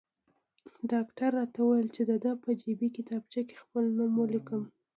ډاکټر راته وویل چې د ده په جیبي کتابچه کې خپل نوم ولیکم.